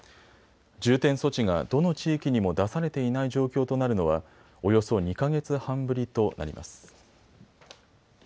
重点措置がどの地域にも出されていない状況となるのはおよそ２か月半ぶりとなります。